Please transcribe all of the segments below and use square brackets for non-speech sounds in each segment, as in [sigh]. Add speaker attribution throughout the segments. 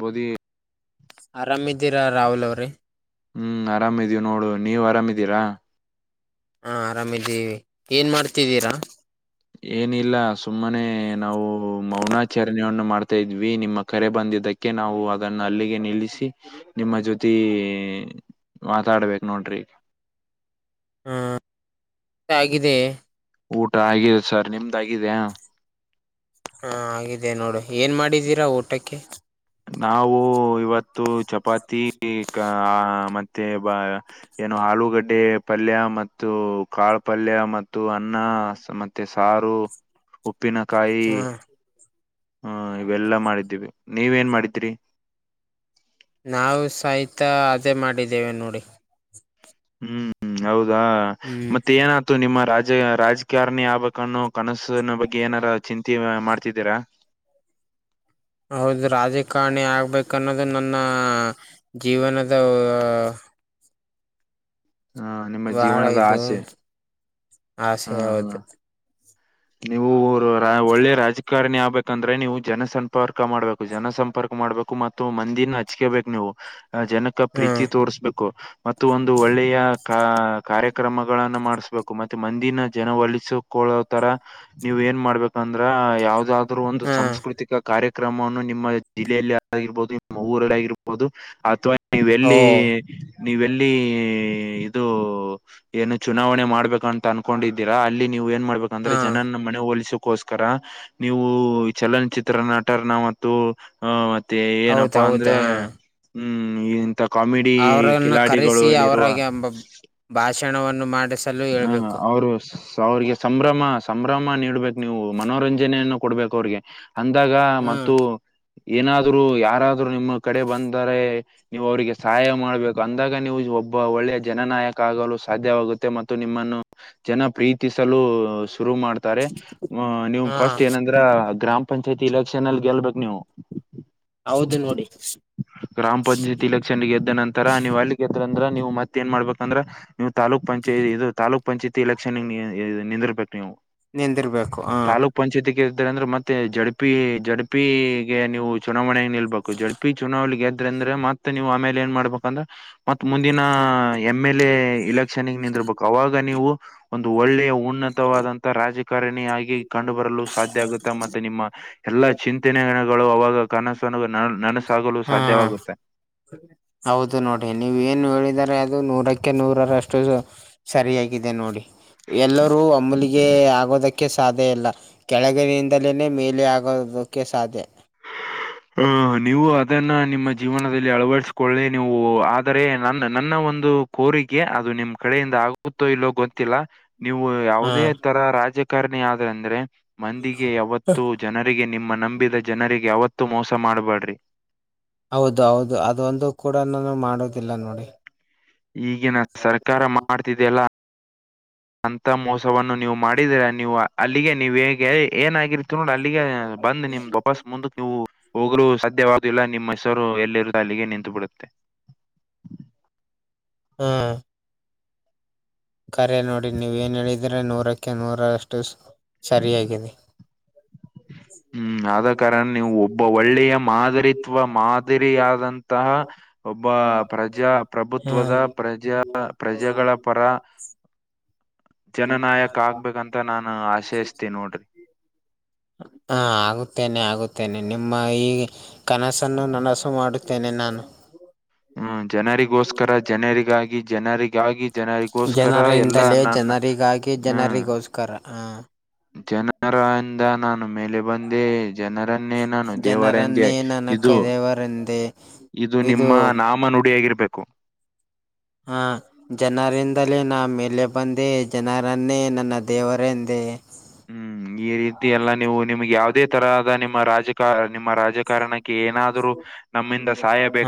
Speaker 1: ಬುದಿ [unintelligible]
Speaker 2: ಆರಾಮ್ ಇದ್ದೀರಾ ರಾಹುಲ್ ಅವ್ರೆ.
Speaker 1: ಹ್ಮ್ ಆರಾಮ ಇದೀವಿ ನೋಡು ನೀವ್ ಆರಾಮಿದೀರಾ.
Speaker 2: ಹಾ ಆರಾಮ್ ಇದ್ದೀವಿ ಏನ್ ಮಾಡ್ತಿದ್ದೀರಾ?
Speaker 1: ಏನಿಲ್ಲ ಸುಮ್ಮನೆ ನಾವು ಮೌನಾಚರಣೆಯನ್ನ ಮಾಡ್ತಾ ಇದ್ವಿ ನಿಮ್ಮ ಕರೆ ಬಂದಿದ್ದಕ್ಕೆ ಅದಿಕ್ಕೆ ನಾವು ಅದನ್ನಅಲ್ಲಿಗೆ ನಿಲ್ಲಿಸಿ ನಿಮ್ಮ ಜೊತೆ ಎ ಮಾತಾಡ್ಬೇಕ್ ನೋಡ್ರಿ. -
Speaker 2: ಹ್ಮ, [unintelligible] ಷ್ಟ ಆಗಿದೆ
Speaker 1: ಊಟ ಆಗಿದೆ ಸರ್ ನಿಮ್ದ ಆಗಿದ್ಯಾ.
Speaker 2: ಹಾ ಆಗಿದೆ ನೋಡು ಏನ್ ಮಾಡಿದ್ದೀರಾ ಊಟಕ್ಕೆ?
Speaker 1: ನಾವು ಇವತ್ತು ಚಪಾತಿ ಆ ಮತ್ತೆ ಬ [unintelligible] ಏನೋ ಆಲೂಗಡ್ಡೆ ಪಲ್ಯ ಮತ್ತು ಕಾಳ ಪಲ್ಯ ಮತ್ತು ಅನ್ನ ಮ ಮತ್ತೆ ಸಾರು, ಉಪ್ಪಿನಕಾಯಿ
Speaker 2: ಹ್ಮ್
Speaker 1: ಹ್ಮ್ ಇವೆಲ್ಲಾ ಮಾಡಿದ್ದೀವಿ. ನೀವ ಏನ್ ಮಾಡಿದ್ರಿ?
Speaker 2: ನಾವು ಸಹಿತ ಅದೇ ಮಾಡಿದ್ದೇವೆ ನೋಡಿ.
Speaker 1: ಹ್ಮ್ ಹೌದಾ
Speaker 2: ಹ್ಮ್
Speaker 1: ಮತ್ತೆ ಏನಾತು ನಿಮ್ಮ ರಾಜ ರಾಜ. ಕಾರಣಿ ಆಗ್ಬೇಕ ಅನ್ನೋ ಕನಸನ ಬಗ್ಗೆ ಏನಾರ ಚಿಂತಿ ಮಾಡ್ತಿದ್ದೀರಾ.
Speaker 2: ಹೌದು ರಾಜಕಾರಣಿ ಆಗ್ಬೇಕ ಅನ್ನೋದು ನನ್ನ ಜೀವನದ.
Speaker 1: ಹ ನಿಮ್ಮ
Speaker 2: ಬಾಳ
Speaker 1: ಜೀವನದ
Speaker 2: ಇದು
Speaker 1: ಆಸೆ ಹ
Speaker 2: ಆಸೆ
Speaker 1: ಹ
Speaker 2: ಹೌದು.
Speaker 1: ನೀವು ಒಳ್ಳೆ ರಾಜಕಾರಣಿ ಆಗ್ಬೇಕಂದ್ರೆ ನೀವು ಜನ ಸಂಪರ್ಕ ಮಾಡ್ಬೇಕು. ಜನ ಸಂಪರ್ಕ ಮಾಡ್ಬೇಕು ಮತ್ತು ಮಂದಿನ ಹಚ್ಕೇಬೇಕು ನೀವು ಜನಕ್.
Speaker 2: ಹ್ಮ್
Speaker 1: ಪ್ರೀತಿ ತೋರ್ಸಬೇಕು ಮತ್ತು ಒಂದು ಒಳ್ಳೆಯ ಕಾ. ಕಾರ್ಯಕ್ರಮಗಳನ್ನ ಮಾಡಿಸ್ಬೇಕು ಮತ್ತೆ ಮಂದಿನ ಜನ ಒಲಿಸಿಕೊಳ್ಳೋ ತರಾ ನೀವು ಎನ ಮಾಡಬೇ. ಅಂದ್ರ ಯಾವದಾದ್ರರ ಒಂದು
Speaker 2: ಹ್ಮ್
Speaker 1: ಸಾಂಸ್ಕೃತಿಕ ಕಾರ್ಯ್ರ. ಕ್ರಮವನ್ನು ನಿಮ್ಮ ಜಿಲ್ಲೆಯಲ್ಲಿ ಆಗಿರಬಹದು ನಿಮ್ಮ ಊರಲ್ಲಿ ಆಗಿರಬಹುದು ಅಥವಾ. ನೀವ
Speaker 2: ಓ
Speaker 1: ಎಲ್ಲಿ ನೀವ ಎಲ್ಲಿ ಇದು. ಏನು ಚುನಾವಣೆ ಮಾಡ್ಬೇಕಂತ ಅನ್ಕೊಂಡಿದ್ದೀರಾ ಅಲ್ಲಿ ನೀವು ಏನ್ ಮಾಡ್ಬೇಕಂದ್ರೆ
Speaker 2: ಹಾ
Speaker 1: ಜನನ್ನ ಮನ ಒಲಿಸ. ಕೋಸ್ಕರ ನೀವು ಚಲನಚಿತ್ರ ನಟರನಾ ಮತ್ತು. ಹ ಮತ್ತೆ
Speaker 2: ಹೌದ
Speaker 1: ಏನಪ್ಪಾ ಅಂದ್ರೆ
Speaker 2: ಹೌದಾ
Speaker 1: ಹ್ಮ್. ಕಾಮಿಡಿ
Speaker 2: ಅವರನ್ನು
Speaker 1: ಕಿಲಾಡಿಗಳು
Speaker 2: ಕರೆಸಿ
Speaker 1: ಅಲ್ಲಿರುವಾ.
Speaker 2: [inaudible] ಭಾಷಣವನ್ನು ಮಾಡಿಸ.
Speaker 1: ಹಾ ಅವರು. ಅವ್ರಿಗೆ ಸಂಭ್ರಮ ಸಂಭ್ರಮ ನೀಡ್ಬೇಕ ನೀವು ಮನೋರಂಜನೆಯನ್ನು ಕೊಡ್ಬೇಕು ಅವ್ರಿಗೆ. ಅಂದಾಗಾ
Speaker 2: ಹ್ಮ್
Speaker 1: ಮತ್ತು ಏನಾದ್ರೂ ಯಾಕಾ. ನಿಮ್ಮ ಕಡೆ ಬಂದರೆ ನೀವು ಅವ್ರಿಗೆ ಸಹಾಯ ಮಾಡ್ಬೇಕು. ಅಂದಾಗ ನೀವು ಒಬ್ಬ ಒಳ್ಳೆಯ ಜನನಾಯಕ ಆಗಲು ಸಾಧ್ಯವಾಗುತ್ತೆ ಮ. ತ್ತು ನಿಮ್ಮನ್ನು ಜನ ಪ್ರೀತಿಸಲು ಶುರು ಮಾಡ್ತಾರೆ ನೀವು
Speaker 2: ಹಾ
Speaker 1: ಫಸ್ಟ್ ಏನ. ದ್ರ ಗ್ರಾಮ ಪಂಚಾಯತಿ ಎಲೆಕ್ಷನ್ ಅಲ್ಲಿ ಗೆಲ್ಬೇಕ ನೀವು.
Speaker 2: ಹೌದು ನೋಡಿ
Speaker 1: ಗ್ರಾಮ ಪಂಚಾಯತಿ ಎಲೆಕ್ಷನ್ ಗೆದ್ದ ನಂತರ ನೀವ್ ಅಲ್ಲಿ. [unintelligible] ಅಂದ್ರ ನೀವು ಮತ್ತ ಏನ ಮಾಡ್ಬೇಕಂದ್ರ ನೀವು ತಾಲೂಕ ಪಂ. ಚ ಇದು ತಾಲೂಕ್ ಪಂಚಾಯತಿ ಎಲೆಕ್ಷನ ಗೆ ನಿಂದಿರ್ಬೇಕು ನೀವು.
Speaker 2: ನಿಂದಿರ್ಬೇಕು ಹ
Speaker 1: ತಾಲೂಕ್ ಪಂಚಾಯತಿ ಗೆಲ್ತಿರಿ ಅಂದ್ರ ಮತ್ತೆ ಜೆಡ್ ಪಿ ಜೆಡ್ ಪಿ ಗೆ ನೀವು. ಚುನಾವಣೆ ನಿಲ್ಬೇಕು ಜೆಡ್ ಪಿ ಚುನಾವಣೆ ಗೆದ್ರಿ ಅಂದ್ರ ಮತ್ತ ನೀವು ಆಮೇಲೆ ಏನ್ ಮಾಡ್ಬಕಂದ್ರ. ಮತ್ತ ಮುಂದಿನ ಎಮ್ ಎಲ್ ಎ ಇಲೆಕ್ಷನ್ ಗೆ ನಿಂದರ್ಬಕು ಅವಾಗ ನೀವು. ಒಂದು ಒಳ್ಳೆಯ ಉನ್ನತವಾದಂತ ರಾಜಕಾರಣಿಯಾಗಿ ಕಂಡು ಬರಲು ಸಾಧ್ಯ ಆಗುತ್ತೆ ಮತ್ತೆ ನಿಮ್ಮ. ಎಲ್ಲಾ ಚಿಂತನೆಗಳು ಅವಾಗ ಕನಸನ ನ ನನಸಾಗಲು
Speaker 2: ಹ್ಮ್
Speaker 1: ಸಾಧ್ಯವಾಗುತ್ತ.
Speaker 2: ಹೌದು ನೋಡಿ ನೀವ ಏನು ಹೇಳಿದರೆ ಅದು ನೂರ. ಕ್ಕೆೆ ನೂರರಷ್ಟು ಸರಿಯಾಗಿದೆ ನೋಡಿ ಎಲ್ಲರೂ ಒಮ್ಮಲಿಗೆ ಆಗೋದ. ಕ್ಕೆ ಸಾಧ್ಯ ಇಲ್ಲ ಕೆಳಗಿನಿಂದಲೇ ಮೇಲೆ ಆಗೋದಕ್ಕೆ ಸಾ.
Speaker 1: ಹ ನೀವು ಅದನ್ನ ನಿಮ್ಮ ಜೀವನದಲ್ಲಿ ಅಳವಡಿಸಕೊಳ್ಳಿ ನೀವು. [unintelligible] ನನ್ನ ನನ್ನ ಒಂದು ಕೋರಿ. ಅದು ನಿಮ್ಮ ಕಡೆಯಿಂದ ಆಗುತ್ತೋ ಇಲ್ಲೋ ಗೊತ್ತಿಲ್ಲ ನೀವು
Speaker 2: ಹಾ
Speaker 1: ಯಾವುದೇ ತರಾ ರಾಜ. [unintelligible] ಆದ ಅಂದ್ರೆ ಮಂದಿಗೆ ಯಾವತ್ತು ಜನರಿಗೆ ನಿಮ್ಮ ನಂಬಿದ ಜನರಿಗೆ ಯಾವ. ಮೋಸ ಮಾಡ್ಬಾಡ್ರಿ.
Speaker 2: ಹೌದ ಹೌದು ಅದೊಂದು ಕೂಡ ನಾನು ಮಾಡೋದಿಲ್ಲ ನೋಡಿ.
Speaker 1: ಈಗಿನ ಸರ್ಕಾರ ಮಾಡ್ತಿದೆಯಲ್ಲಾ. ಅಂತ ಮೋಸವನ್ನು ನೀವು ಮಾಡಿದ್ರ ನೀವು ಅಲ್ಲಿಗೆ ನೀವ್ ಹೇಗೆ ಎಯ್ [unintelligible] [unintelligible] ಅಲ್ಲಿಗೆ ಬಂದ್ ನಿಮ. [unintelligible] ಮುಂದಕ್ಕೆ ನೀವು ಹೋಗಲು ಸಾಧ್ಯವ ಇಲ್ಲ ನಿಮ್ಮ ಹೆಸರು ಎಲ್ಲಿರುದು ಅಲ್ಲಿಗೆ ನಿಂತು ಬಿಡುತ್ತೆ
Speaker 2: ಹಾ- ಕರೆ ನೋಡಿ ನೀವ ಏನ್ ಹೇಳಿದ್ರೆ ನೂರಕ್ಕೆ ನೂರಷ್ಟು ಸರಿಯಾಗಿದೆ.
Speaker 1: ಹ್ಮ್ ಆದ ಕಾರಣ ನೀವು ಒಬ್ಬ ಒಳ್ಳೆಯ ಮಾದರಿತ್ವ ಮಾದರಿಯಾದಂತಹ- ಒಬ್ಬ ಪ್ರಜಾ ಪ್ರಭುತ್ವದ
Speaker 2: ಹ್ಮ್
Speaker 1: ಪ್ರಜಾ ಪ್ರಜೆಗಳ ಪರ- ಜನನಾಯಕ ಆಗ್ಬೇಕಂತ ನಾನು ಆಶೆಸ್ತೀನಿ ನೋಡ್ರಿ-
Speaker 2: ಹ ಆಗುತ್ತೇನೆ ಆಗುತ್ತೇನೆ ನಿಮ್ಮ ಈ ಕನಸನ್ನು ನನಸು ಮಾಡು- ತೆನೆ ನಾನು-
Speaker 1: ಹ್ಮ್ ಜನರಿಗೋಸ್ಕರ ಜನರಿಗಾಗಿ ಜನರಿ- ಗಾಗಿ ಜನರಿಗೋಸ್ಕರ ಎಲ್ಲಾ
Speaker 2: ಜನರಿಂದಲೇ
Speaker 1: ನನ್ನ ಹ್ಮ-
Speaker 2: ಕರ-
Speaker 1: ಜನರಂದ ನಾನು ಮೇಲೆ- ಬಂದೇ ಜನರನ್ನೇ ನಾನು ದೇವರೆಂದೇ ಇದು-
Speaker 2: ರಂದೆ -
Speaker 1: ಇದು ನಿಮ್ಮ ನಾಮ ನುಡಿಯಾಗಿರ್ಬೇಕು.
Speaker 2: ಹ್ಮ- ಜನರಿಂದಲೇ ನಾ ಮೇಲೆ ಬಂದೆ ಜನರನ್ನೇ ನನ್ನ ದೇವರೆಂದೇ-
Speaker 1: ಹ್ಮ್- ಈ ರೀತಿ ಎಲ್ಲ ನೀವು ನಿಮ್ಗೆ ಯಾವವುದೇ ತರಹದ ನಿಮ್ಮ ರಾಜಕಾರ ನಿಮ್ಮ ರಾಜಕಾರಣಕ್ಕೆ ಏನಾದರೂ - ನಮ್ಮಿಂದ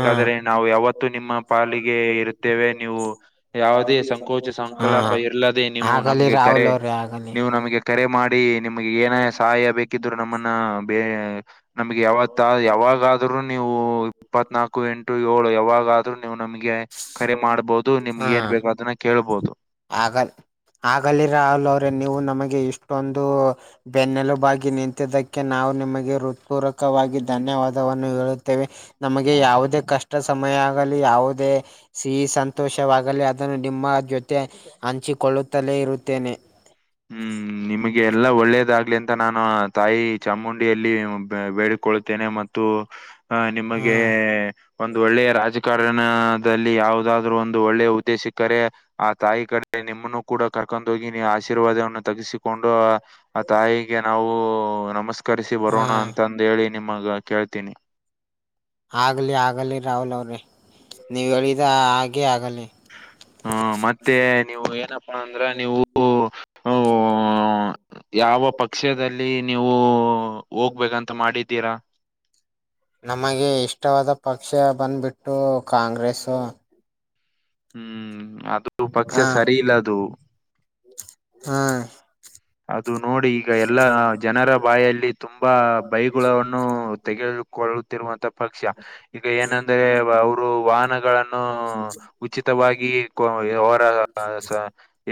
Speaker 2: ಹಾ
Speaker 1: ನಾವು ಯಾವತ್ತು ನಿಮ್ಮ ಪಾಲಿಗೆ ಇರುತ್ತೇವೆ ನೀವು- ಯಾವುದೇ ಸಂಕೋಚ ಸಂಕಲಾಪ ಇರ್ಲ್ಲದೆ ನೀವು ನಮ್ಗೆ ಕರೆ-
Speaker 2: ಮನೆ -
Speaker 1: ನೀವು ನಮಗೆ ಕರೆ ಮಾಡಿ ನಿಮ್ಗೆ ಏನ ಸಹಾಯ ಬೇಕಿದ್ರು ನಮ್ಮನ್ನ ಬೇ- ನಮ್ಗೆ ಯಾವತ್ತ ಯಾವಾಗಾದ್ರೂ ನೀವು ಇಪ್ಪತ್- ನಾಲ್ಕು ಎಂಟು ಏಳು ಯಾವಾಗಾದ್ರೂ ನೀವು ನಮಗೆ- ಕರೆ ಮಾಡ್ಬೋದು ನಿಮ್ಗೆ ಏನ್ ಬೇಕ ಅದನ್ನ ಕೇಳ್ಬೋದು-
Speaker 2: ಆಗ ಆಗಲಿರ ಅಲ್ ಅವ್ರೇ ನೀವು ನಮಗೆ ಇಷ್ಟೊಂದು- ಬೆನ್ನೆಲುಬಾಗಿ ನಿಂತಿದ್ದಕ್ಕೆ ನಾವು ನಿಮಗೆ ಹೃತ್ಪೂರ್ರಕವಾಗಿ ಧನ್ಯವಾದವನ್ನು ಹೇಳುತ್ತೇವೆ- ನಮಗೆ ಯಾವುದೇ ಕಷ್ಟ ಸಮಯ ಆಗಲಿ ಯಾವುದೇ- ಸಿಹಿ ಸಂತೋಷವಾಗಲಿ ಅದನ್ನು ನಿಮ್ಮ ಜೊತೆ ಹಂಚಿಕೊಳ್ಳುತ್ತಲೇ ಇರುತ್ತೇನೆ-
Speaker 1: ಹ್ಮ್- ನಿಮಗೆ ಎಲ್ಲ ಒಳ್ಳೇದಾಗ್ಲಿ ಅಂತ ನಾನು ತಾಯಿ ಚಾಮುಂಡಿಯಲ್ಲಿ ಬೇಡಿಕೊಳ್ಳುತ್ತೇನೆ ಮ- ಆಹ
Speaker 2: ಹ್ಮ
Speaker 1: ನಿಮಗೆ- ಒಂದು ಒಳ್ಳೆಯ ರಾಜಕಾರಣದಲ್ಲಿ ಯಾವದಾದ್ರರು ಒಂದು ಒಳ್ಳೆ ಹುದ್ದೆಸಿಕ್ಕರೆ- ಆ ತಾಯಿ ಕಡೆ ನಿಮ್ಮನ್ನು ಕೂಡ ಕರ್ಕೊಂದೂಗಿನಿ ಆಸೆ- ಆಶೀರ್ವಾದವನ್ನು ತಗಸಿಕೊಂಡು ಆ ತಾಯಿಗೆ ನಾವು ನಮಸ್ಕರಿಸಿ
Speaker 2: ಹ್ಮ
Speaker 1: ಬರೋಣ ಅಂತಂದ- ಹೇಳಿ ನಿಮಗ ಕೇಳ್ತೀನಿ-
Speaker 2: ಆಗಲಿ ಆಗಲಿ ರಾಹುಲ್ ಅವ್ರೆ ನೀವು ಹೇಳಿದ ಆಗೆ ಆಗಲಿ-
Speaker 1: ಹ್ಮ ಮತ್ತೆ ನೀವು ಏನಪ್ಪಣ ಅಂದ್ರ ನೀವು- ಹೂಂ ಹೂಂ ಯಾವ ಪಕ್ಕ- ಪಕ್ಷದಲ್ಲಿ ನೀವು ಹೋಗ್ಬೇಕಂತ ಮಾಡಿದ್ದೀರಾ?
Speaker 2: ನಮಗೆ ಇಷ್ಟವಾದ ಪಕ್ಷ ಬಂದು್ಬಿಟ್ಟು ಕಾಂಗ್ರೆಸ್ಸು-
Speaker 1: ಹ್ಮ್ ಅದು
Speaker 2: ಹ
Speaker 1: ಪಕ್ಷ ಸರಿ ಇಲ್ಲ ಅದು -
Speaker 2: ಹಾ-
Speaker 1: ಅದು ನೋಡಿ ಈಗ ಎಲ್ಲ ಜನರ ಬಾಯಲ್ಲಿ ತುಂಬಾ ಬೈಗುಳವನ್ನು ತೆಗೆದು- ಕೊಲ್ತಿರುವಂಥಕ್ ಪಕ್ಷ ಇದು ಏನಂದ್ರೆ ಅವರು ವಾಹನಗಳನ್ನು ಉಚಿತವಾಗಿ-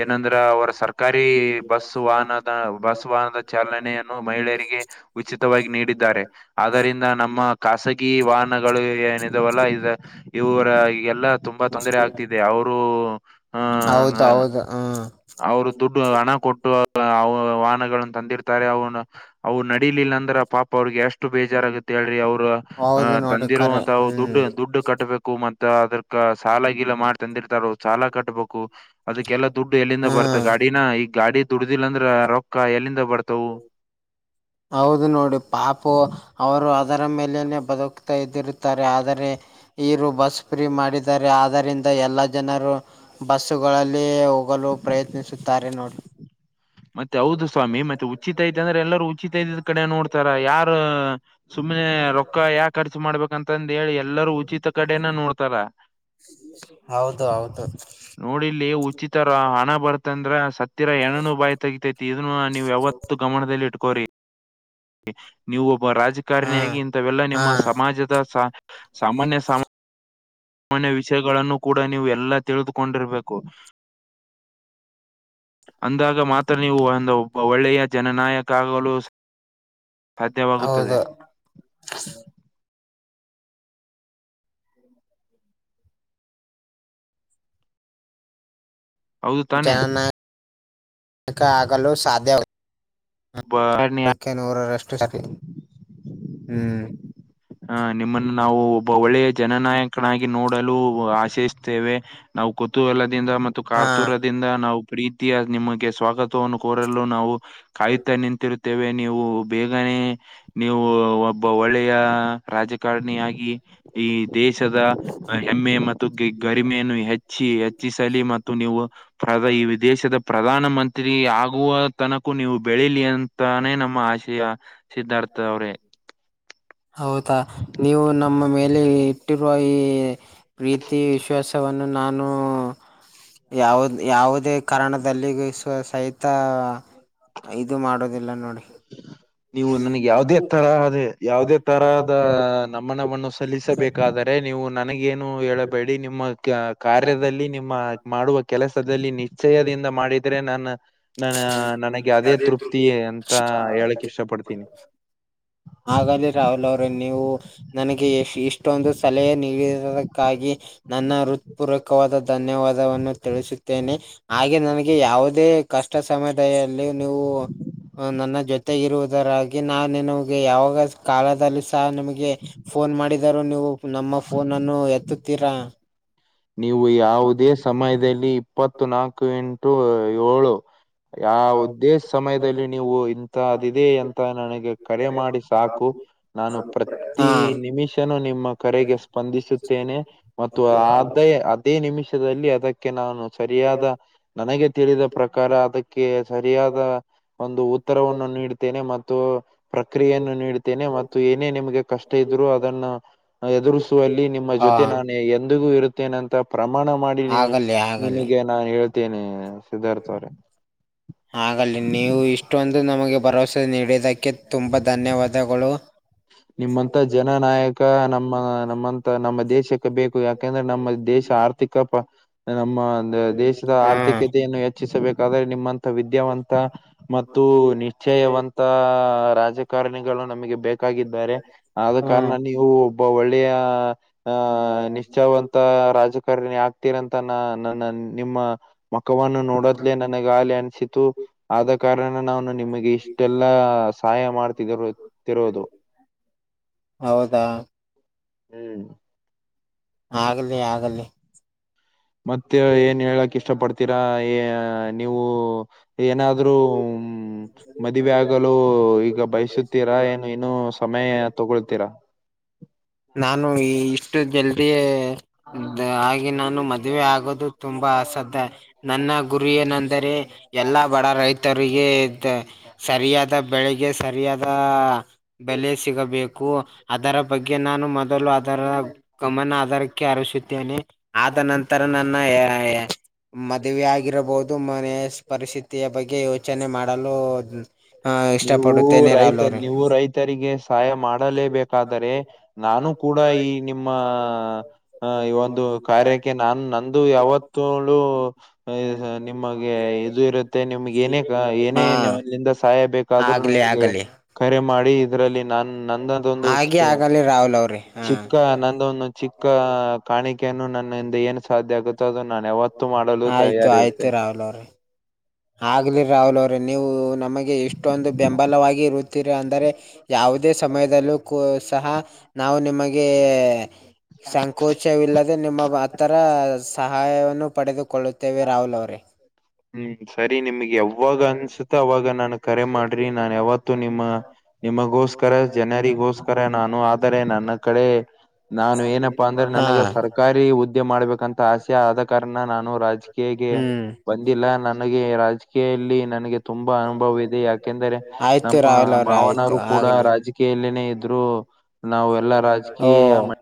Speaker 1: ಏನಂದರೆ ಅವರ ಸರ್ಕಾರಿ ಬಸ್- ವಾಹನದ ಬಸ್ ವಾಹನದ ಚಾಲನೆಯನ್ನು ಮಹಿಳೆಯರಿಗೆ- ಉಚಿತವಾಗಿ ನೀಡಿದ್ದಾರೆ ಆದ್ದರಿಂದ- ನಮ್ಮ ಖಾಸಗಿ ವಾಹನಗಳು ಏನಿದಾವಲ್ಲ ಇ ಇವರ ಎಲ್ಲಾ - ತುಂಬಾ ತೊಂದರೆ ಆಗ್ತಿದೆ ಅವರು ಅನ
Speaker 2: ಹೌದು ಹೌದು ಹ್ಮ್
Speaker 1: ಅವರು ದುಡ್ಡು ಹಣ ಕೊಟ್ಟುಅ ವ ವಾಹನನ್ನ ತಂದಿರ್ತಾರೆ ಅವನ ಅವ್ ನಡೀಲಿಲ್ಲ ಅಂದ್ರ ಪಾಪ ಅವ್ರಿಗೆ ಎಷ್ಟು ಬೇಜಾರಾಗತ್ತೆ ಹೇಳ್ರಿ ಅವ್ರ ಹ
Speaker 2: ಹೌದು ನೋಡಿ ಖರೆ
Speaker 1: ತಂದಿರುವಂತವು
Speaker 2: ಹ್ಮ್
Speaker 1: ದುಡ್ಡು ದುಡ್ಡು ಕಟ್ಟಬೇಕು ಮ ಅದಕ್ಕ ಸಾಲಾಗಿಲ್ಲ ಮಾಡಿ ತಂದಿರ್ತಾರ ಅವರ್ ಸಾಲ ಕಟ್ಬೇಕು ಅದಕ್ಕೆಲ್ಲಾ ದುಡ್ಡು ಎಲ್ಲಿಂದ ಬರ್ತ
Speaker 2: ಹ್ಮ್
Speaker 1: ಗಾಡಿನ ಈ ಗಾಡಿ ದುಡ್ದಿಲ್ಲ ಅಂದ್ರ ರೊಕ್ಕ ಎಲ್ಲಿಂದ ಬರ್ತವು
Speaker 2: ಹೌದು ನೋಡಿ ಪಾಪು ಅವರು ಅದರ ಮೇಲೇನೆೇ ಬದುಕ್ತಾ ಇದ್ದಿರುತ್ತಾರೆ ಆದರೆ ಇರು ಬಸ್ ಫ್ರೀ ಮಾಡಿದ್ದಾರೆ ಆದರಿಂದ ಎಲ್ಲಾ ಜನರು ಬಸುಗಳಲ್ಲಿ ಹೋಗಲು ಪ್ರಯತ್ನಿಸುತ್ತಾರೆ ನೋಡಿ
Speaker 1: ಮತ್ತೆ ಹೌದು ಸ್ವಾಮಿ ಮತ್ತೆ ಉಚಿತ ಐತೆ ಅಂದ್ರೆ ಎಲ್ಲರೂ ಉಚಿತ ಐತದ್ ಕಡೆ ನೋಡ್ತಾರ ಯಾರ ಸುಮ್ಮ್ನೆ ರೊಕ್ಕ ಯಾಕ್ ಖರ್ಚು ಮಾಡ್ಬೇಕ ಅಂತಂದು ಹೇಳಿ ಎಲ್ಲರೂ ಉಚಿತ ಕಡೆನ ನೋಡ್ತಾರ
Speaker 2: ಹೌದು ಹೌದು
Speaker 1: ನೋಡಿಲ್ಲಿ ಉಚಿತ ರ ಹಣ ಬರ್ತಂದ್ರ ಸತ್ತಿರ ಹೆಣನು ಬಾಯ್ತ ಇಗ್ತತಿ ಇದನ್ನ ನೀವು್ ಯಾವತ್ತ ಗಮನದಲ್ಲಿ ಇಟ್ಕೋ್ರಿ...... ಇ ನೀವು ಒಬ್ಬ
Speaker 2: ಹಾ
Speaker 1: ರಾಜಕಾರಣಿಯಾಗಿ ಇಂಥವೆಲ್ಲಾ
Speaker 2: ಹಾ
Speaker 1: ನಿಮ್ಮ ಸಮಾಜದ ಸ ಸಾಮಾನ್ಯ ಸಮ ಸಮಾನ್ಯ ವಿಷಯಗಳನ್ನು ಕೂಡ ನೀವು ಎಲ್ಲಾ ತಿಳಿದುಕೊಂಡಿರ್ಬೇಕು ಅಂದಾಗ ಮಾತ್ರ ನೀವು ಒಂದು ಒಬ್ಬ ಒಳ್ಳೆಯ ಜನನಾಯಕ ಆಗಲು ಸಾ ಸಾಧ್ಯವಾಗುತ್ತದೆ
Speaker 2: ಹೌದು
Speaker 1: ಹೌದು ತಾನೆ
Speaker 2: ಜನನಾಯ...... ಕಕ ಆಗಲು ಸಾಧ್ಯ
Speaker 1: ಭ..... ರಣ್ಯ
Speaker 2: ನೂರರಷ್ಟುಸತಿ.. ಹ್ಮ್
Speaker 1: ಹ ನಿಮ್ಮನ್ನು ನಾವು ಒಳ್ಳೆಯ ಜನನಾಯಕನಾಗಿ ನೋಡಲು ಆಶಯಿಸ್ತೇವೆ ನಾವು ಕುತೂಹಲದಿಂದ ಮತ್
Speaker 2: ಹಾ
Speaker 1: ಕಾರ್ತುರದಿಂದ ನಾವು ಪ್ರೀತಿಯ ನಿಮ ಗೆ ಸ್ವಾಗತವನ್ನು ಕೋರಲು ನಾವು ಕಾಯುತ್ತಾ ನಿಂತಿರುತ್ತೇವೆ ನೀವು ಬೇಗನೆ ನೀವು ಒಬ್ಬ ಒಳ್ಳೆಯ ರಾಜಕಾರಣಿಯಾಗಿ ಈ ದೇಶದ ಹೆಮ್ಮೆ ಮತ್ತು ಗಿ ಗಟ್ ಇನ್ನೆನು ಹೆಚ್ಚಿ ಹೆಚ್ಚಿಸಲಿ ಮತ್ತು ನೀವು ಪ್ರದ ಈ ದೇಶದ ಪ್ರಧಾನ ಮಂತ್ರಿ ಆಗುವ ತನಕೂ ನೀವು ಬೆಳೀಲಿ ಅ ತಾನೇ ನಮ್ಮ ಆಶೆಯ ಸಿದ್ಧಾರ್ಥ ಅವ್ರೇ
Speaker 2: ಹೌದಾ ನೀವು ನಮ್ಮ ಮೇಲೆ ಇಟ್ಟಿರುವ ಈ ಪ್ರೀತಿ ವಿಶ್ವಾಸವನ್ನು ನಾನೂ ಯಾವು ಯಾವುದೇ ಕಾರಣದಲ್ಲಿ ವಿಶ್ವಾಸ ಸಹಿತ ಇದು ಮಾಡೋದಿಲ್ಲ ನೋಡಿ
Speaker 1: ನೀವು ನನಗೆ ಯಾವುದೇ ತರಹದ ಯಾವುದೇ ತರಹದ ಅ ನಮನವನ್ನು ಸಲ್ಲಿಸಬೇಕಾದರೆ ಏ ನೀವು ನನಗೇನು ಹೇಳಬೇಡಿ ಏ ನಿಮ್ಮ ಕಾರ್ಯದಲ್ಲಿ ನಿಮ್ಮ ಮಾಡುವ ಕೆಲಸದಲ್ಲಿ ನಿಶ್ಚಯದಿಂದ ಮಾಡಿದ್ರೆ ನಾನು ನಾನ ನನಗೆ ಅದೇ ತೃಪ್ತಿ ಅಂತ
Speaker 2: ಹಾ
Speaker 1: ಹೇಳಕ್ ಇಷ್ಟ ಪಡ್ತೀನಿ
Speaker 2: [unintelligible] ಆಗಾಲೆ ರಾಹುಲ್ ಅವರೇ ನೀವು ನನಗೆ ಇಷ್ಟ ಇಷ್ಟೊಂದು ಸಲಹೆ ನೀಡಿರುವುದಕ್ಕಾಗಿ ನನ್ನ ಹೃತ್ಪೂರ್ವಕವಾದ ಧನ್ಯವಾದವನ್ನು ತಿಳಿಸುತ್ತೇನೆ. ಹಾಗೆ ನನಗೆ ಯಾವುದೇ ಕಷ್ಟ ಸಮಯದಲ್ಲಿ ನೀವು ನನ್ನ ಜೊತೆ ಇರುವುದರಾಗಿ ನಾನು ನಿಮಗೆ ಯಾವಾಗ ಕಾಲದಲ್ಲೂ ಸಹ ನಿಮಗೆ ಫೋನ್ ಮಾಡಿದಾರ ನೀವು ನಮ್ಮ ಫೋನ್ ಅನ್ನು ಎತ್ತುತ್ತೀರಾ.
Speaker 1: ನೀವು ಯಾವುದೇ ಸಮಯದಲ್ಲಿ ಇಪ್ಪತ್ತು ನಾಲ್ಕು ಎಂಟು ಏಳು ಯಾವುದೇ ಸಮಯದಲ್ಲಿ ನೀವು ಇಂತಥದಿದೆ ಅಂತ ನನಗೆ ಕರೆ ಮಾಡಿ ಸಾಕು. ನಾನು ಪ್ರತಿ
Speaker 2: ಹಾ
Speaker 1: ನಿಮಿಷನುೂ ನಿಮ್ಮ ಕರೆಗೆ ಸ್ಪಂದಿಸುತ್ತೆನೆ ಮತ್ತು ಅದೆ ಅದೇ ನಿಮಿಷದಲ್ಲಿ ಅದಕ್ಕೆ. ಅದಕ್ಕೆ ನಾನು ಸರಿಯಾದ ನನಗೆ ತಿಳಿದ ಪ್ರಕಾರ ಅದಕ್ಕೆ ಸರಿಯಾದ ಒಂದು ಉತ್ತರವನ್ನು ನೀಡುತ್ತೇನೆ ಮತ್ ಮತ್ತು ಪ್ರಕ್ರಿಯೆಯನ್ನು ನೀಡುತ್ತೆನೆ ಮತ್ತು ಏನೇ ನಿಮ್ಗೆ ಕಷ್ಟ ಇದ್ರು ಅದನ್ನ ಎದುರಿಸುವಲ್ಲಿ ನಿಮ್ಮ
Speaker 2: ಹಾ
Speaker 1: ಜೊತೆ ನಾನು ಎಂದಿಗೂ ಇರು ಅಂದ್ರೆ ಅಂತಾ ಪ್ರಮಾಣ ಮಾಡಿ ನೀ
Speaker 2: ಆಗಲಿ ಆಗಲಿ
Speaker 1: ನಿಮಗೆ ನಾನ್ ಹೇಳ್ತೇನೆ ಸಿದ್ಧಾರ್ಥ ಅವ್ರೆ.
Speaker 2: ಆಗಲ್ಲಿ ನೀವು ಇಷ್ಟೊಂದು ನಮಗೆ ಭರವಸೆ ನೀಡಿದ್ದಕ್ಕೆ ತುಂಬ ಧನ್ಯವಾದಗಳು.
Speaker 1: ನಿಮ್ಮಂತ ಜನ ನಾಯಕ ನಮ್ಮ ನಮ್ಮಂತ ನಮ್ಮ ದೇಶಕ್ಕೆ ಬೇಕು ಯಾಕಂದ್ರೆ ನಮ್ಮ ದೇಶ ಆರ್ಥ ಆರ್ಥಿಕ ನಮ್ಮ ದೇಶದ
Speaker 2: ಹ್ಮ್
Speaker 1: ಆರ್ಥಿಕತೆಯನ್ನು ಹೆಚ್ಚಿಸಬೇಕಾದ್ರೆ ನಿಮ್ಮ ವಿದ್ಯಾವಂತ ಮತ್ತು ನಿಶ್ಚಯವಂತ ರಾಜಕಾರಣಿಗಳು ನಮಗೆ ಬೇಕ ಇದಾ ಬೆರೆ ಕಾರಣ
Speaker 2: ಹ್ಮ್
Speaker 1: ನೀವು ಒಬ್ಬ ಒಳ್ಳೆಯ ಆಹ ನಿಶ್ಚಾವಂತ ರಾಜಕಾರಣಿ ಆಗ್ತೀರಂತ ನ ನನ್ನ ನಿಮ್ಮ ಮಕ್ಕವನ್ನು ನೋಡದಲೆೇ ನನಗಾಗಲೇ ಅನ್ಸಿತು ಆದ ಕಾರಣ ನಾನು ನಿಮಗೆ ಇಷ್ಟೆಲ್ಲಾ ಸಹಾಯ ಮಾಡ್ತಿದ್ದರುತಿರೋದು
Speaker 2: ಹೌದಾ.
Speaker 1: ಹುಂ
Speaker 2: ಆಗಲಿ ಆಗಲಿ.
Speaker 1: ಮತ್ತೆ ಏನ್ ಹೇಳಕ್ ಇಷ್ಟ ಪಡ್ತೀರಾ ಏ ನೀವು. ಏನಾದ್ರೂ. ಮದುವೆ ಆಗಲು ಈಗ ಬಯಸುತ್ತೀರಾ ಏನು ಇನ್ನು ಸಮಯ ತಗೊಳ್ತೀರಾ.
Speaker 2: ನಾನು ಇಷ್ಟು ಜಲ್ದಿಯ ಆ ನಾನು ಮದುವೆ ಆಗೋದು ತುಂಬಾ ಅಸಾಧ್ಯ ರಿ. ನನ್ನ ಗುರಿ ಏನಂದರೆ ಎಲ್ಲಾ ಬಡ ರೈತರಿಗೆ ಸರಿಯಾದ ಬೆಳೆಗೆ ಸರಿಯಾದ ಬೆಲೆ ಸಿಗಬೇಕು ಅದರ ಬಗ್ಗೆ ಗೆ ನಾನು ಮೊದಲು ಅದರ ಗಮನ ಅದಾರಕ್ಕೆ ಹರಿಸುತ್ತೇನೆ ಆದ ನಂತರ ತರಾ ನನ್ನ [unintelligible] ಮದುವೆ ಆಗಿರಬಹುದು ಮನೆಯ ಪರಿಸ್ಥಿತಿಯ ಬಗ್ಗೆ ಯೋಚನೆ ಮಾಡಲು. ಹ
Speaker 1: ನೀವು
Speaker 2: ಇಷ್ಟಪಡುತ್ತೇನೆ
Speaker 1: ರೈತ
Speaker 2: ರಾಹುಲ್
Speaker 1: ನೀವು
Speaker 2: ಅವ್ರೆ
Speaker 1: ರೈತರಿಗೆ ಸಹಾಯ ಮಾಡಲೇಬೇಕು. ಆದರೆ ನಾನು ಕೂಡಾ ಈ ನಿಮ್ಮ ಹ ಈ ಒಂದು ಕಾರ್ಯಕ್ಕೆ ನಾನು ನಂದು ಯಾವತ್ತ ಅಳು ನಿಮಗೆ ಇದು ಇರುತ್ತೆ ನಿಮ್ಗೆ ಏನೆ ಏನೇ
Speaker 2: ಹಾ
Speaker 1: ಇಲ್ಲಿಂದ ಸಹಾಯಬೇಕು ಆದ್ರು
Speaker 2: ಆಗ್ಲಿ
Speaker 1: ನನಗೆ
Speaker 2: ಆಗಲಿ
Speaker 1: ಕರೆ ಮಾಡಿ ಇದರಲ್ಲಿ ನಾನ ನನ್ನದೊಂದು
Speaker 2: ಹಾಗೆ
Speaker 1: ಚಿಕ್ಕ
Speaker 2: ಆಗಲಿ ರಾಹುಲ್ ಅವ್ರಿ ಹಾ
Speaker 1: ಚಿಕ್ಕ ನಂದೊಂದು ಚಿಕ್ಕ ಕಾಣಿಕೆಯನ್ನು ನನ್ನಿಂದ ಏನು ಸಾಧ್ಯ ಆಗುತ್ತೋ ಅದು ನಾನು ಯಾವತ್ತು ತುತ್ತು ಮಾಡಲು
Speaker 2: ಆಯ್ತು
Speaker 1: ತಯಾರಿ ಇರುತ್ತೇ.
Speaker 2: ಆಯ್ತು ರಾಹುಲ್ ಅವ್ರೆ ಆಗ್ಲಿ ರಾಹುಲ್ ಅವ್ರಿ ನೀವು ನಮಗೆ ಇಷ್ಟೊಂದು ಬೆಂಬಲವಾಗಿ ಇರುತ್ತಾರೆ ಅಂದರೆ ಯಾವುದೇ ಸಮಯದಲ್ಲೂ ಕೂಡ ಸಹ ನಾವು ನಿಮಗೆ ಸಹಾಯ ಮಾಡುತ್ತೇವೆ ಸಂಕೋಚ ಪಡಬೇಡಿ ಸಂಕೋಚವಿಲ್ಲದೆ ನಿಮ್ಮ ಆತ್ತರ ಸಹಾಯವನ್ನು ಪಡೆದುಕೊಳ್ಳುತ್ತೇವೆ ರಾಹುಲ್ ಅವರೇ.
Speaker 1: ಸರಿ ನಿಮ್ಗೆ ಯಾವಾಗ ಅನ್ಸುತ್ತೆ ಅವಾಗ ನನಗೆ ಕರೆ ಮಾಡ್ರಿ ನಾ ಯಾವತ್ತು ನಿಮಗೆ ಸಹಾಯ ಮಾಡುತ್ತೇನೆ ನಿಮಗೋಸ್ಕರ ಜನರಿಗೋಸ್ಕರ ನಾನು ಸಹಾಯ ಮಾಡುತ್ತೇನೆ ನಾನು ಏನಪ್ಪಾ ಅಂದ್ರೆ
Speaker 2: ಹಾ
Speaker 1: ನನಗ ಸರ್ಕಾರಿ ಉದ್ದೆ ಮಾಡ್ಬೇಕಂತ ಅನಿಸುತ್ತದೆ ಹಾಸ್ಯ ಆದ ಕಾರಣ ನಾನು ರಾಜಕೀಯಕ್ಕೆ ಹೋಗಿಲ್ಲ ಇಂದಿಲ್ಲ
Speaker 2: ಹ್ಮ್
Speaker 1: ನನಗೆ ರಾಜಕೀಯಲ್ಲಿ ನನಗೆ ತುಂಬಾ ಅನುಭವ ಇದೆ ಯಾಕೆಂದರೆ
Speaker 2: ಆಯ್ತು
Speaker 1: ನಮ್ಮ
Speaker 2: ರಾಹುಲ್ ಅವ್ರೆ ಆಯ್ತು
Speaker 1: ಮಾವನವ್ರು ಕೂಡ
Speaker 2: ಆಗ್ಲಿ
Speaker 1: ರಾಜಕೀಯದಲ್ಲಿ ಇದ್ದ ಕಾರಣ ನನಗೆ ಅನುಭವವಿದೆ ನಾನು ಎಲ್ಲಾ
Speaker 2: ಓ
Speaker 1: ರಾಜಕೀಯ ಗಳ ಬಗ್ಗೆ ತಿಳಿದುಕೊಂಡಿದ್ದೇನೆ